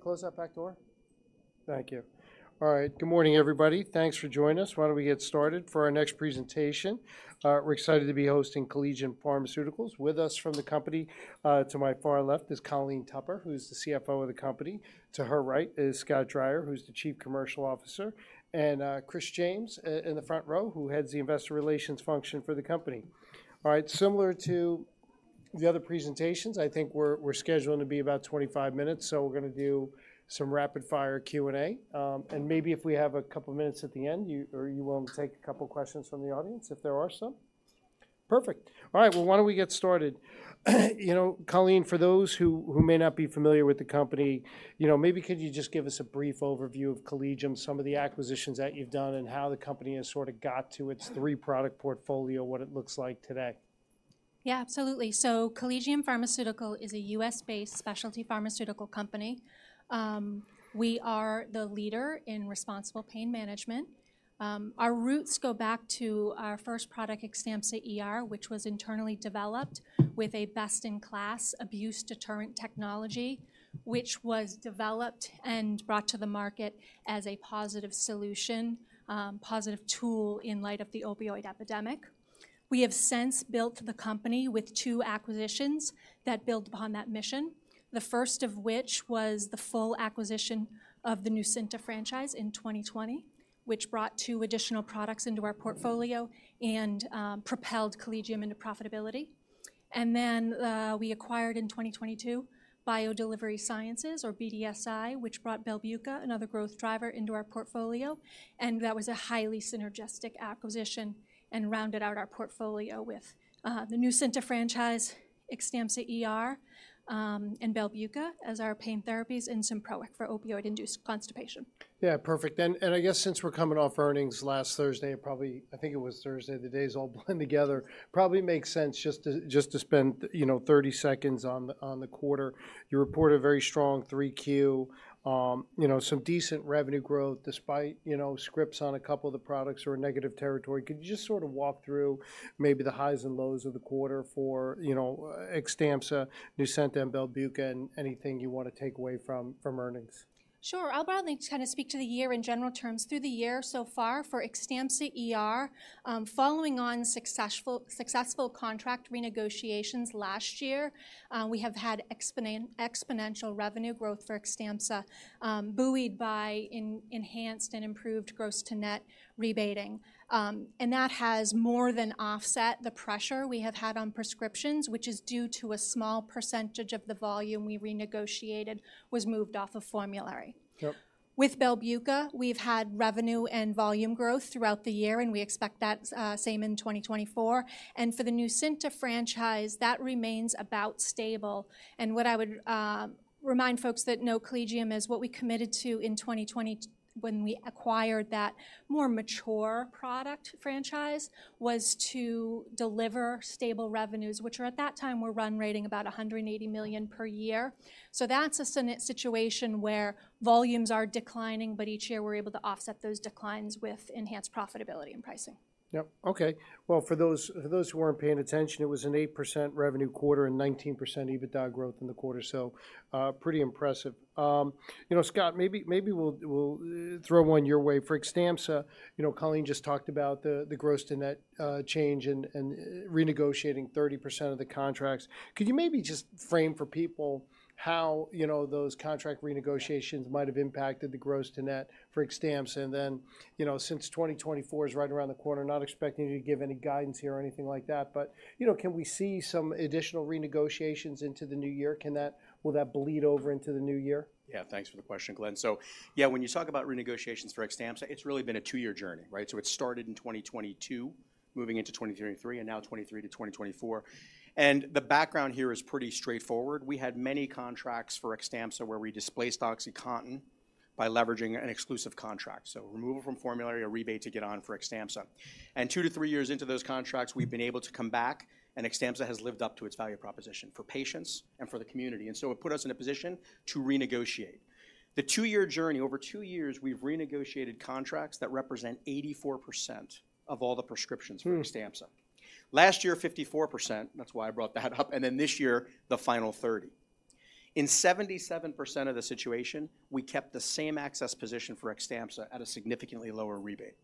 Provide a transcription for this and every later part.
Can we close that back door? Thank you. All right, good morning, everybody. Thanks for joining us. Why don't we get started? For our next presentation, we're excited to be hosting Collegium Pharmaceutical. With us from the company, to my far left is Colleen Tupper, who's the CFO of the company. To her right is Scott Dreyer, who's the Chief Commercial Officer, and Chris James in the front row, who heads the investor relations function for the company. All right, similar to the other presentations, I think we're scheduling to be about 25 minutes, so we're gonna do some rapid-fire Q&A. And maybe if we have a couple minutes at the end, are you willing to take a couple questions from the audience, if there are some? Perfect. All right, well, why don't we get started? You know, Colleen, for those who may not be familiar with the company, you know, maybe could you just give us a brief overview of Collegium, some of the acquisitions that you've done, and how the company has sorta got to its three-product portfolio, what it looks like today? Yeah, absolutely. Collegium Pharmaceutical is a U.S.-based specialty pharmaceutical company. We are the leader in responsible pain management. Our roots go back to our first product, XTAMPZA ER, which was internally developed with a best-in-class abuse-deterrent technology, which was developed and brought to the market as a positive solution, positive tool in light of the opioid epidemic. We have since built the company with two acquisitions that build upon that mission, the first of which was the full acquisition of the NUCYNTA franchise in 2020, which brought two additional products into our portfolio and propelled Collegium into profitability. And then, we acquired in 2022, BioDelivery Sciences, or BDSI, which brought BELBUCA, another growth driver, into our portfolio, and that was a highly synergistic acquisition and rounded out our portfolio with, the NUCYNTA franchise, XTAMPZA ER, and BELBUCA as our pain therapies, and Symproic for opioid-induced constipation. Yeah, perfect. And I guess since we're coming off earnings last Thursday, it probably... I think it was Thursday, the days all blend together probably makes sense just to, just to spend, you know, 30 seconds on the, on the quarter. You report a very strong Q3. You know, some decent revenue growth despite, you know, scripts on a couple of the products or a negative territory. Could you just sort of walk through maybe the highs and lows of the quarter for, you know, XTAMPZA, NUCYNTA, and BELBUCA, and anything you wanna take away from, from earnings? Sure, I'll broadly kind of speak to the year in general terms. Through the year so far for XTAMPZA ER, following on successful contract renegotiations last year, we have had exponential revenue growth for XTAMPZA, buoyed by enhanced and improved gross to net rebating. And that has more than offset the pressure we have had on prescriptions, which is due to a small percentage of the volume we renegotiated was moved off of formulary. Yep. With BELBUCA, we've had revenue and volume growth throughout the year, and we expect that same in 2024. And for the NUCYNTA franchise, that remains about stable. And what I would remind folks that know Collegium is what we committed to in 2020, when we acquired that more mature product franchise, was to deliver stable revenues, which are at that time were run rating about $180 million per year. So that's a situation where volumes are declining, but each year we're able to offset those declines with enhanced profitability and pricing. Yep, okay. Well, for those who aren't paying attention, it was an 8% revenue quarter and 19% EBITDA growth in the quarter, so, pretty impressive. You know, Scott, maybe we'll throw one your way. For XTAMPZA, you know, Colleen just talked about the gross to net change and renegotiating 30% of the contracts. Could you maybe just frame for people how, you know, those contract renegotiations might have impacted the gross to net for XTAMPZA? And then, you know, since 2024 is right around the corner, not expecting you to give any guidance here or anything like that, but, you know, can we see some additional renegotiations into the new year? Will that bleed over into the new year? Yeah, thanks for the question, Glenn. So yeah, when you talk about renegotiations for XTAMPZA, it's really been a two-year journey, right? So it started in 2022, moving into 2023, and now 2023 to 2024. And the background here is pretty straightforward. We had many contracts for XTAMPZA, where we displaced OxyContin by leveraging an exclusive contract, so removal from formulary, a rebate to get on for XTAMPZA. And two to three years into those contracts, we've been able to come back, and XTAMPZA has lived up to its value proposition for patients and for the community. And so it put us in a position to renegotiate. The two-year journey, over two years, we've renegotiated contracts that represent 84% of all the prescriptions- Mm.... for XTAMPZA. Last year, 54%, that's why I brought that up, and then this year, the final 30. In 77% of the situation, we kept the same access position for XTAMPZA at a significantly lower rebate.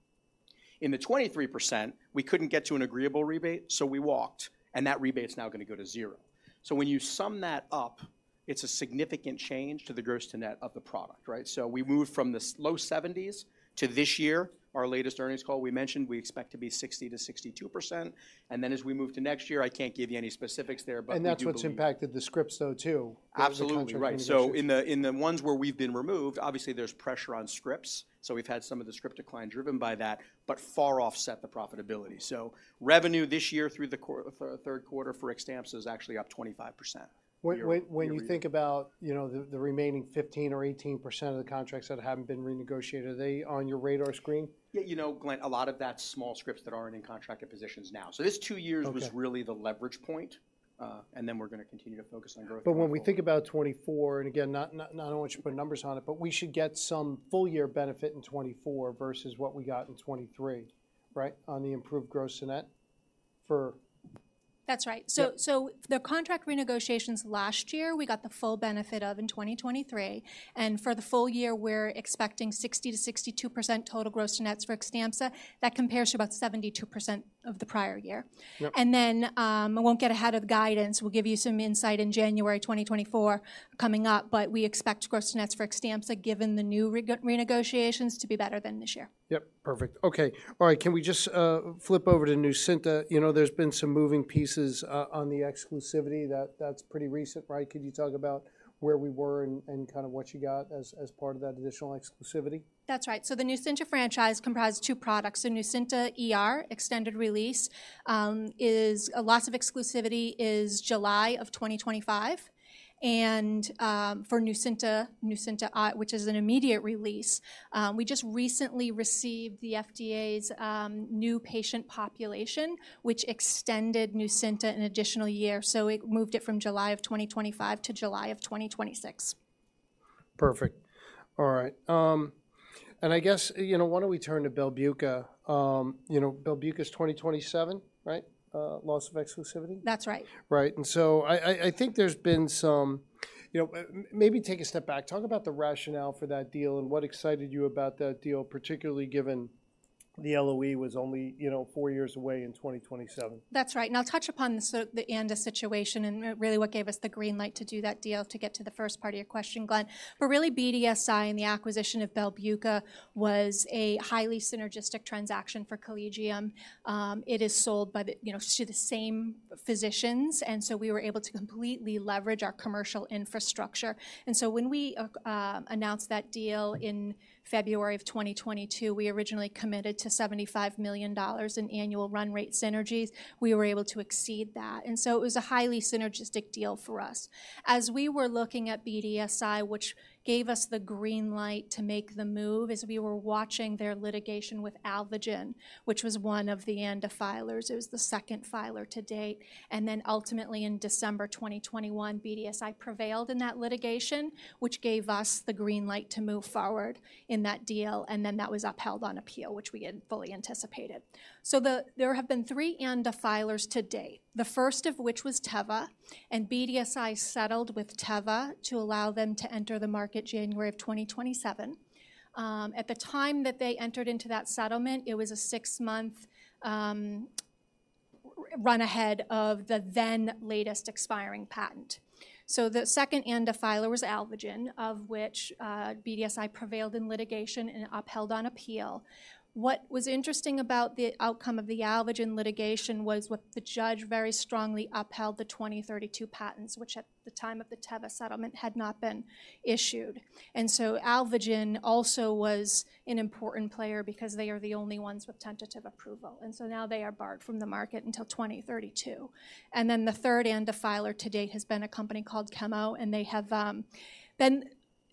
In the 23%, we couldn't get to an agreeable rebate, so we walked, and that rebate is now gonna go to zero. So when you sum that up, it's a significant change to the gross to net of the product, right? So we moved from the low 70s to this year, our latest earnings call, we mentioned we expect to be 60%-62%. And then, as we move to next year, I can't give you any specifics there, but we do believe- That's what's impacted the scripts, though, too. Absolutely.... with the contract negotiations. Right. So in the, in the ones where we've been removed, obviously, there's pressure on scripts, so we've had some of the script decline driven by that, but far offset the profitability. So revenue this year through the third quarter for XTAMPZA is actually up 25% year-over-year. When you think about, you know, the remaining 15% or 18% of the contracts that haven't been renegotiated, are they on your radar screen? Yeah, you know, Glenn, a lot of that's small scripts that aren't in contracted positions now. So this 2 years was really the leverage point, and then we're gonna continue to focus on growth, going forward. But when we think about 2024, and again, not I want you to put numbers on it, but we should get some full-year benefit in 2024 versus what we got in 2023, right? On the improved gross to net for-... That's right. So, the contract renegotiations last year, we got the full benefit of in 2023, and for the full year, we're expecting 60%-62% total gross to nets for XTAMPZA. That compares to about 72% of the prior year. Yep. Then, I won't get ahead of the guidance. We'll give you some insight in January 2024, coming up, but we expect gross-to-nets for XTAMPZA, given the new renegotiations, to be better than this year. Yep, perfect. Okay. All right, can we just flip over to NUCYNTA? You know, there's been some moving pieces on the exclusivity. That's pretty recent, right? Could you talk about where we were and kind of what you got as part of that additional exclusivity? That's right. So the NUCYNTA franchise comprise two products. So NUCYNTA ER, extended release, loss of exclusivity is July of 2025. And, for NUCYNTA, NUCYNTA, which is an immediate release, we just recently received the FDA's new patient population, which extended NUCYNTA an additional year. So it moved it from July of 2025 to July of 2026. Perfect. All right, and I guess, you know, why don't we turn to BELBUCA? You know, BELBUCA is 2027, right? Loss of exclusivity. That's right. Right, and so I think there's been some. You know, maybe take a step back. Talk about the rationale for that deal and what excited you about that deal, particularly given the LOE was only, you know, four years away in 2027. That's right, and I'll touch upon the ANDA situation, and really what gave us the green light to do that deal, to get to the first part of your question, Glenn. But really, BDSI and the acquisition of BELBUCA was a highly synergistic transaction for Collegium. It is sold by the, you know, to the same physicians, and so we were able to completely leverage our commercial infrastructure. And so when we announced that deal in February of 2022, we originally committed to $75 million in annual run rate synergies. We were able to exceed that, and so it was a highly synergistic deal for us. As we were looking at BDSI, which gave us the green light to make the move, as we were watching their litigation with Alvogen, which was one of the ANDA filers. It was the second filer to date, and then ultimately in December 2021, BDSI prevailed in that litigation, which gave us the green light to move forward in that deal, and then that was upheld on appeal, which we had fully anticipated. So there have been three ANDA filers to date, the first of which was Teva, and BDSI settled with Teva to allow them to enter the market January of 2027. At the time that they entered into that settlement, it was a six-month run ahead of the then latest expiring patent. So the second ANDA filer was Alvogen, of which BDSI prevailed in litigation and upheld on appeal. What was interesting about the outcome of the Alvogen litigation was what the judge very strongly upheld the 2032 patents, which at the time of the Teva settlement, had not been issued. So Alvogen also was an important player because they are the only ones with tentative approval, and so now they are barred from the market until 2032. Then the third ANDA filer to date has been a company called Chemo, and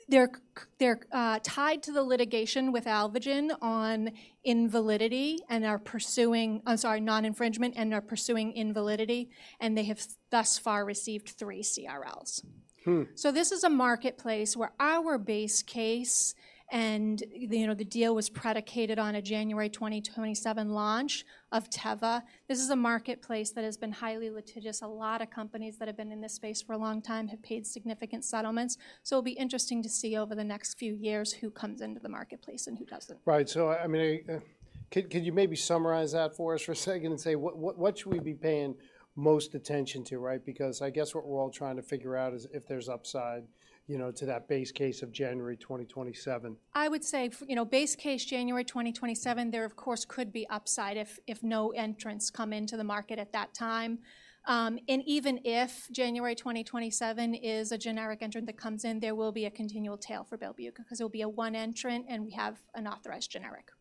they're tied to the litigation with Alvogen on invalidity and are pursuing... I'm sorry, non-infringement and are pursuing invalidity, and they have thus far received three CRLs. Hmm. So this is a marketplace where our base case and, you know, the deal was predicated on a January 2027 launch of Teva. This is a marketplace that has been highly litigious. A lot of companies that have been in this space for a long time have paid significant settlements. So it'll be interesting to see over the next few years who comes into the marketplace and who doesn't. Right. So, I mean, could you maybe summarize that for us for a second and say, what should we be paying most attention to, right? Because I guess what we're all trying to figure out is if there's upside, you know, to that base case of January 2027. I would say, you know, base case January 2027, there, of course, could be upside if no entrants come into the market at that time. And even if January 2027 is a generic entrant that comes in, there will be a continual tail for BELBUCA, 'cause it'll be a one entrant, and we have an authorized generic.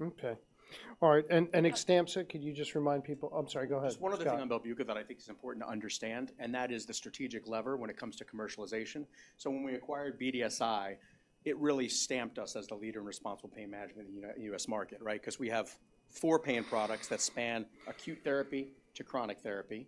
Okay. All right, and, and XTAMPZA, could you just remind people- I'm sorry, go ahead, Scott. Just one other thing on BELBUCA that I think is important to understand, and that is the strategic lever when it comes to commercialization. So when we acquired BDSI, it really stamped us as the leader in responsible pain management in U.S. market, right? Because we have four pain products that span acute therapy to chronic therapy.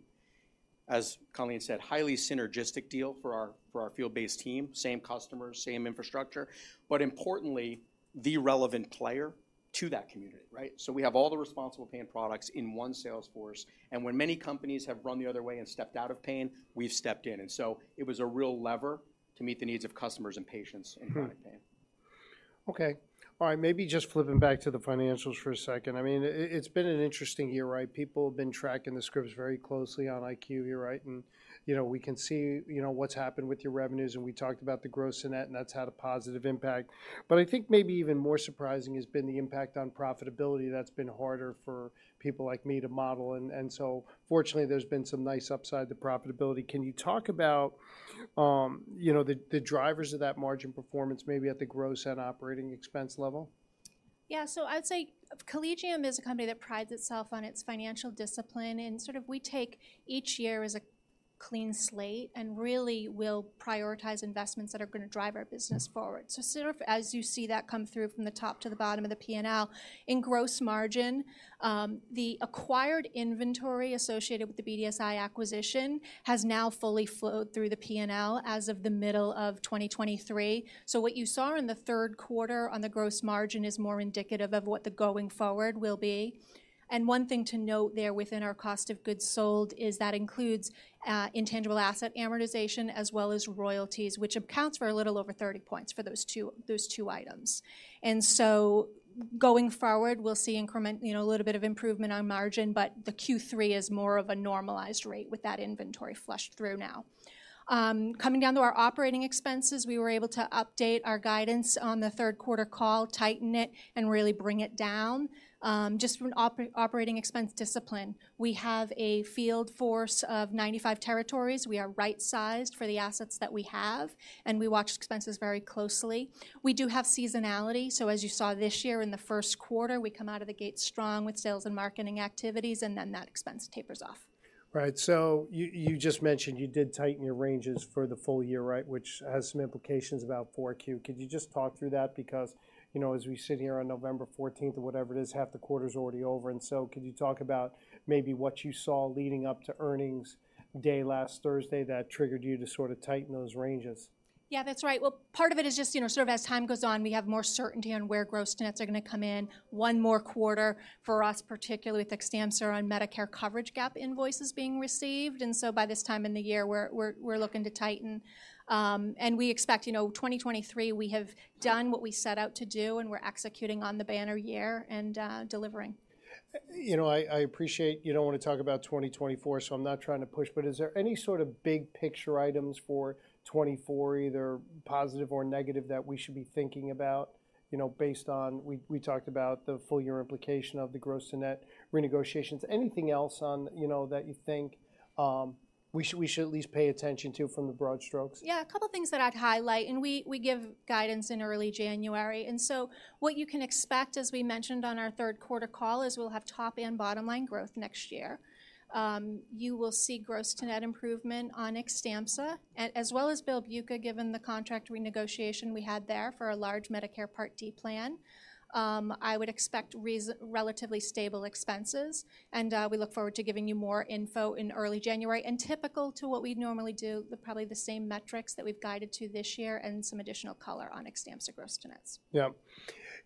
As Colleen said, highly synergistic deal for our, for our field-based team. Same customers, same infrastructure, but importantly, the relevant player to that community, right? So we have all the responsible pain products in one sales force, and when many companies have run the other way and stepped out of pain, we've stepped in. And so it was a real lever to meet the needs of customers and patients. Hmm.... in chronic pain. Okay. All right, maybe just flipping back to the financials for a second. I mean, it's been an interesting year, right? People have been tracking the scripts very closely on IQ, right? And, you know, we can see, you know, what's happened with your revenues, and we talked about the gross and net, and that's had a positive impact. But I think maybe even more surprising has been the impact on profitability that's been harder for people like me to model, and so fortunately, there's been some nice upside to profitability. Can you talk about, you know, the drivers of that margin performance, maybe at the gross and operating expense level? Yeah, so I'd say Collegium is a company that prides itself on its financial discipline, and sort of we take each year as clean slate, and really we'll prioritize investments that are gonna drive our business forward. So sort of as you see that come through from the top to the bottom of the P&L, in gross margin, the acquired inventory associated with the BDSI acquisition has now fully flowed through the P&L as of the middle of 2023. So what you saw in the third quarter on the gross margin is more indicative of what the going forward will be. And one thing to note there within our cost of goods sold is that includes, intangible asset amortization, as well as royalties, which accounts for a little over 30 points for those two, those two items. So going forward, we'll see increment, you know, a little bit of improvement on margin, but the Q3 is more of a normalized rate with that inventory flushed through now. Coming down to our operating expenses, we were able to update our guidance on the third quarter call, tighten it, and really bring it down, just from operating expense discipline. We have a field force of 95 territories. We are right-sized for the assets that we have, and we watch expenses very closely. We do have seasonality, so as you saw this year in the first quarter, we come out of the gate strong with sales and marketing activities, and then that expense tapers off. Right. So you just mentioned you did tighten your ranges for the full year, right? Which has some implications about 4Q. Could you just talk through that? Because, you know, as we sit here on November fourteenth or whatever it is, half the quarter's already over, and so could you talk about maybe what you saw leading up to earnings day last Thursday that triggered you to sort of tighten those ranges? Yeah, that's right. Well, part of it is just, you know, sort of as time goes on, we have more certainty on where gross nets are gonna come in. One more quarter for us, particularly with XTAMPZA, on Medicare Coverage Gap invoices being received, and so by this time in the year, we're looking to tighten. And we expect, you know, 2023, we have done what we set out to do, and we're executing on the banner year and delivering. You know, I appreciate you don't wanna talk about 2024, so I'm not trying to push, but is there any sort of big picture items for 2024, either positive or negative, that we should be thinking about? You know, based on... We talked about the full year implication of the gross to net renegotiations. Anything else on, you know, that you think, we should at least pay attention to from the broad strokes? Yeah, a couple of things that I'd highlight, and we give guidance in early January, and so what you can expect, as we mentioned on our third quarter call, is we'll have top and bottom line growth next year. You will see gross to net improvement on XTAMPZA, as well as BELBUCA, given the contract renegotiation we had there for a large Medicare Part D plan. I would expect relatively stable expenses, and we look forward to giving you more info in early January. Typical to what we'd normally do, we'll probably use the same metrics that we've guided to this year and some additional color on XTAMPZA gross to nets. Yeah.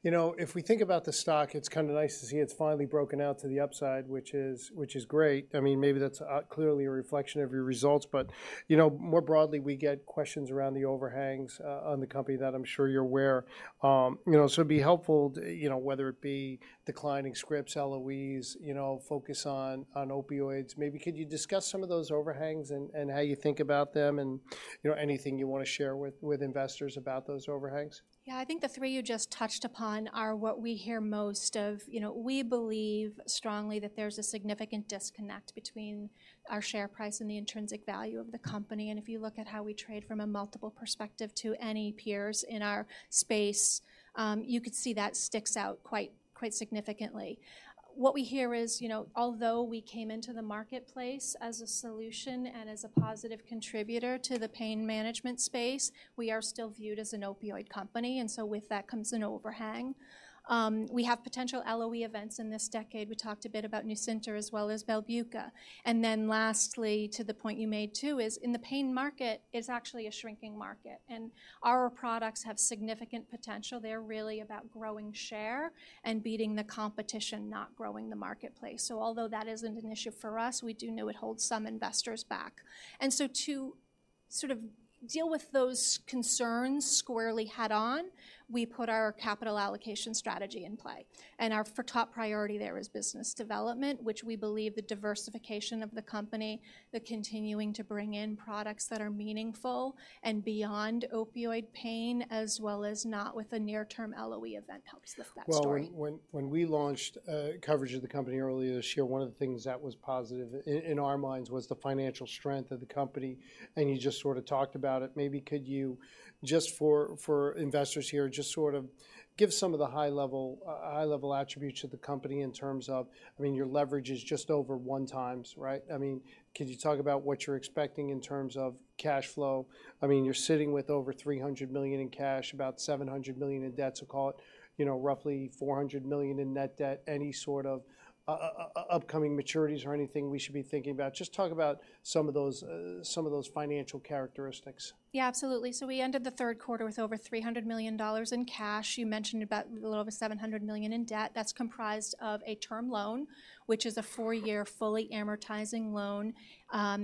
You know, if we think about the stock, it's kind of nice to see it's finally broken out to the upside, which is great. I mean, maybe that's clearly a reflection of your results, but, you know, more broadly, we get questions around the overhangs on the company that I'm sure you're aware. You know, so it'd be helpful, you know, whether it be declining scripts, LOEs, you know, focus on opioids. Maybe could you discuss some of those overhangs and how you think about them, and, you know, anything you wanna share with investors about those overhangs? Yeah, I think the three you just touched upon are what we hear most of. You know, we believe strongly that there's a significant disconnect between our share price and the intrinsic value of the company, and if you look at how we trade from a multiple perspective to any peers in our space, you could see that sticks out quite, quite significantly. What we hear is, you know, although we came into the marketplace as a solution and as a positive contributor to the pain management space, we are still viewed as an opioid company, and so with that comes an overhang. We have potential LOE events in this decade. We talked a bit about NUCYNTA as well as BELBUCA. And then lastly, to the point you made, too, the pain market is actually a shrinking market, and our products have significant potential. They're really about growing share and beating the competition, not growing the marketplace. So although that isn't an issue for us, we do know it holds some investors back. And so to sort of deal with those concerns squarely head-on, we put our capital allocation strategy in play. And our- for top priority, there is business development, which we believe the diversification of the company, the continuing to bring in products that are meaningful and beyond opioid pain, as well as not with a near-term LOE event helps with that story. Well, when we launched coverage of the company earlier this year, one of the things that was positive in our minds was the financial strength of the company, and you just sort of talked about it. Maybe could you, just for investors here, just sort of give some of the high level attributes of the company in terms of... I mean, your leverage is just over 1x, right? I mean, could you talk about what you're expecting in terms of cash flow? I mean, you're sitting with over $300 million in cash, about $700 million in debt, so call it, you know, roughly $400 million in net debt. Any sort of upcoming maturities or anything we should be thinking about? Just talk about some of those financial characteristics. Yeah, absolutely. So we ended the third quarter with over $300 million in cash. You mentioned about a little over $700 million in debt. That's comprised of a term loan, which is a four-year, fully amortizing loan.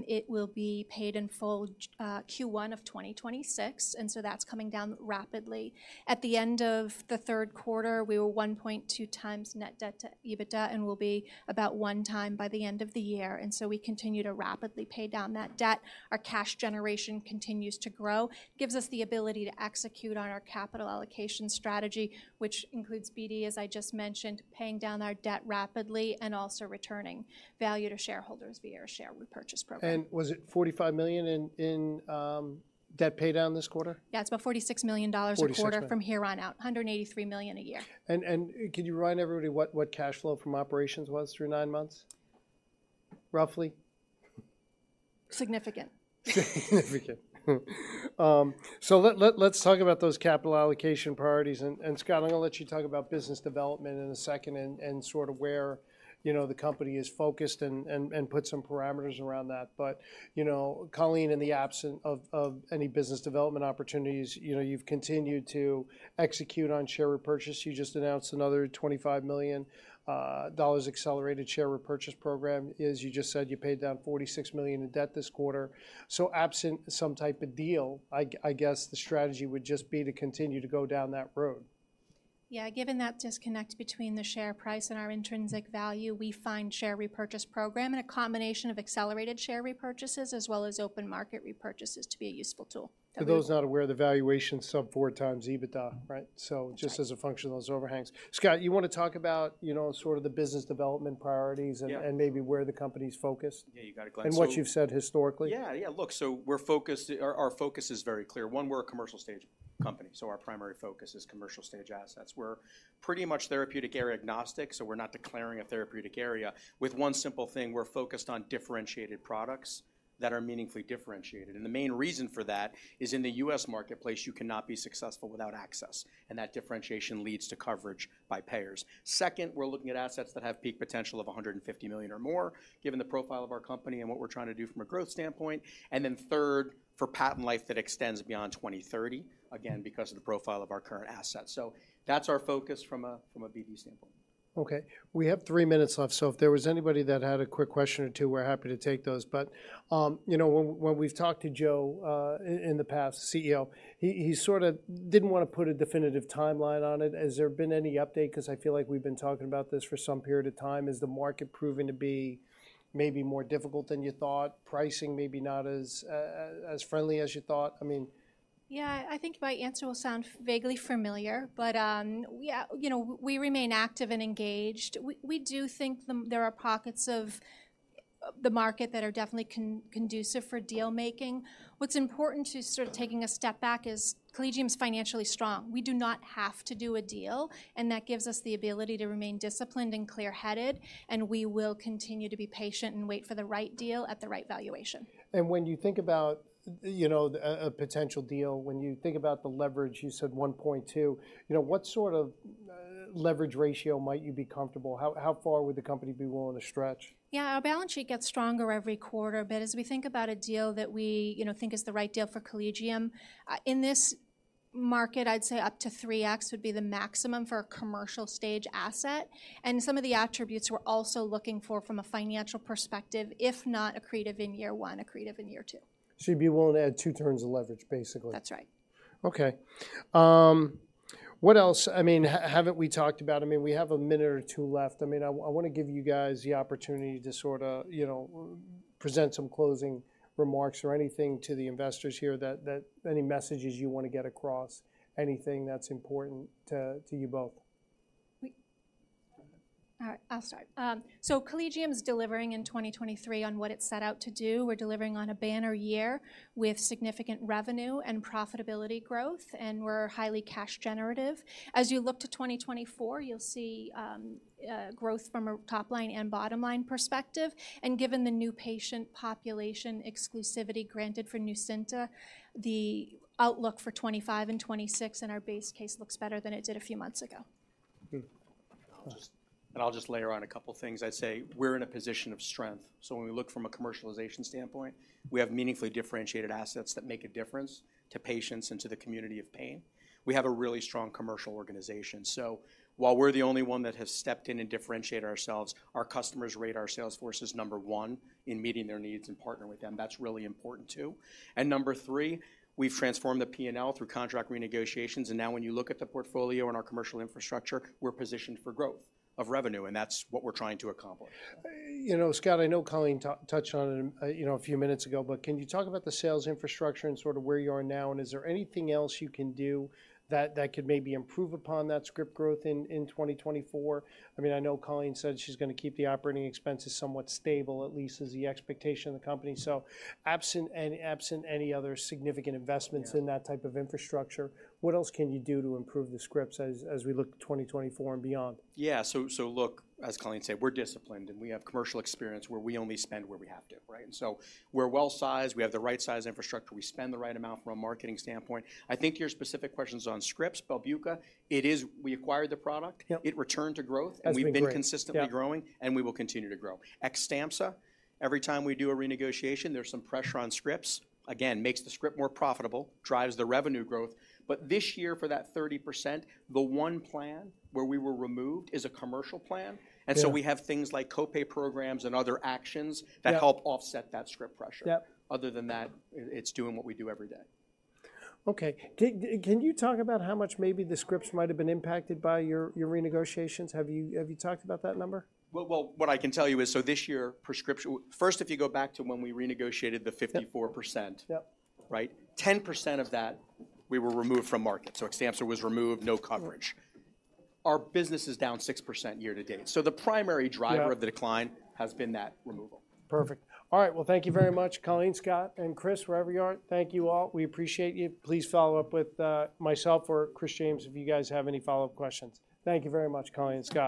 It will be paid in full Q1 of 2026, and so that's coming down rapidly. At the end of the third quarter, we were 1.2x net debt to EBITDA, and we'll be about one time by the end of the year, and so we continue to rapidly pay down that debt. Our cash generation continues to grow, gives us the ability to execute on our capital allocation strategy, which includes BDSI, as I just mentioned, paying down our debt rapidly and also returning value to shareholders via our share repurchase program. Was it $45 million in debt pay down this quarter? Yeah, it's about $46 million a quarter- $46 million. From here on out, $183 million a year. Can you remind everybody what cash flow from operations was through nine months, roughly? Significant. Significant. So let's talk about those capital allocation priorities, and Scott, I'm gonna let you talk about business development in a second, and sort of where, you know, the company is focused and put some parameters around that. But, you know, Colleen, in the absence of any business development opportunities, you know, you've continued to execute on share repurchase. You just announced another $25 million accelerated share repurchase program. As you just said, you paid down $46 million in debt this quarter. So absent some type of deal, I guess the strategy would just be to continue to go down that road. Yeah, given that disconnect between the share price and our intrinsic value, we find share repurchase program and a combination of accelerated share repurchases, as well as open market repurchases, to be a useful tool. For those not aware, the valuation sub-4x EBITDA, right? So- Right.... just as a function of those overhangs. Scott, you wanna talk about, you know, sort of the business development priorities- Yeah. maybe where the company's focused? Yeah, you got it, Glenn, so- What you've said historically. Yeah, yeah. Look, so we're focused—our focus is very clear. One, we're a commercial stage company, so our primary focus is commercial stage assets. We're pretty much therapeutic area agnostic, so we're not declaring a therapeutic area. With one simple thing, we're focused on differentiated products that are meaningfully differentiated, and the main reason for that is in the US marketplace, you cannot be successful without access, and that differentiation leads to coverage by payers. Second, we're looking at assets that have peak potential of $150 million or more, given the profile of our company and what we're trying to do from a growth standpoint. And then third, for patent life that extends beyond 2030, again, because of the profile of our current assets. So that's our focus from a BDSI standpoint. Okay, we have three minutes left, so if there was anybody that had a quick question or two, we're happy to take those. But, you know, when we've talked to Joe in the past, CEO, he sorta didn't wanna put a definitive timeline on it. Has there been any update? 'Cause I feel like we've been talking about this for some period of time. Is the market proving to be maybe more difficult than you thought? Pricing maybe not as friendly as you thought? I mean... Yeah, I think my answer will sound vaguely familiar, but, yeah, you know, we remain active and engaged. We do think there are pockets of the market that are definitely conducive for deal making. What's important to sort of taking a step back is Collegium's financially strong. We do not have to do a deal, and that gives us the ability to remain disciplined and clear-headed, and we will continue to be patient and wait for the right deal at the right valuation. And when you think about, you know, a potential deal, when you think about the leverage, you said 1.2. You know, what sort of leverage ratio might you be comfortable? How far would the company be willing to stretch? Yeah, our balance sheet gets stronger every quarter, but as we think about a deal that we, you know, think is the right deal for Collegium, in this market, I'd say up to 3x would be the maximum for a commercial stage asset. Some of the attributes we're also looking for from a financial perspective, if not accretive in year one, accretive in year two. You'd be willing to add two turns of leverage, basically? That's right. Okay, what else, I mean, haven't we talked about? I mean, we have a minute or two left. I mean, I wanna give you guys the opportunity to sorta, you know, present some closing remarks or anything to the investors here that, that any messages you wanna get across, anything that's important to, to you both. All right, I'll start. So Collegium is delivering in 2023 on what it set out to do. We're delivering on a banner year with significant revenue and profitability growth, and we're highly cash generative. As you look to 2024, you'll see growth from a top-line and bottom-line perspective. And given the new patient population exclusivity granted for NUCYNTA, the outlook for 2025 and 2026 in our base case looks better than it did a few months ago. Hmm. I'll just layer on a couple of things. I'd say we're in a position of strength, so when we look from a commercialization standpoint, we have meaningfully differentiated assets that make a difference to patients and to the community of pain. We have a really strong commercial organization. So while we're the only one that has stepped in and differentiate ourselves, our customers rate our sales forces number one in meeting their needs and partner with them. That's really important, too. And number three, we've transformed the P&L through contract renegotiations, and now when you look at the portfolio and our commercial infrastructure, we're positioned for growth of revenue, and that's what we're trying to accomplish. You know, Scott, I know Colleen touched on it, you know, a few minutes ago, but can you talk about the sales infrastructure and sort of where you are now? And is there anything else you can do that, that could maybe improve upon that script growth in 2024? I mean, I know Colleen said she's gonna keep the operating expenses somewhat stable, at least as the expectation of the company. So absent any other significant investments- Yeah.... in that type of infrastructure, what else can you do to improve the scripts as we look to 2024 and beyond? Yeah, so, so look, as Colleen said, we're disciplined, and we have commercial experience where we only spend where we have to, right? And so we're well-sized, we have the right size infrastructure, we spend the right amount from a marketing standpoint. I think your specific questions on scripts, BELBUCA, it is. We acquired the product. Yep. It returned to growth- As we grow. We've been consistently growing- Yeah.... and we will continue to grow. XTAMPZA, every time we do a renegotiation, there's some pressure on scripts. Again, makes the script more profitable, drives the revenue growth. But this year, for that 30%, the one plan where we were removed is a commercial plan. Yeah. And so we have things like co-pay programs and other actions that help offset that script pressure. Yep. Other than that, it's doing what we do every day. Okay, can you talk about how much maybe the scripts might have been impacted by your renegotiations? Have you talked about that number? Well, what I can tell you is, so this year. First, if you go back to when we renegotiated the 54%. Yep, yep. Right? 10% of that, we were removed from market. So XTAMPZA was removed, no coverage. Right. Our business is down 6% year to date. So the primary driver of the decline has been that removal. Perfect. All right, well, thank you very much, Colleen, Scott, and Chris, wherever you are, thank you all. We appreciate you. Please follow up with myself or Chris James if you guys have any follow-up questions. Thank you very much, Colleen and Scott.